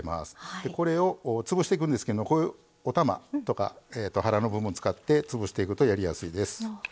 これを潰していくんですけどこういうお玉とか腹の部分使って潰していくとやりやすいです。